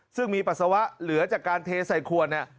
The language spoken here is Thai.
ซึ่งมีปัสสาวะเหลือจากการเทใส่ขวดเนี่ย